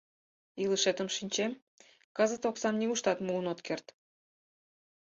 Илышетым шинчем, кызыт оксам нигуштат муын от керт.